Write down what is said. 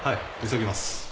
急ぎます。